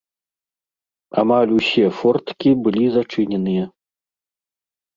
Амаль усе форткі былі зачыненыя.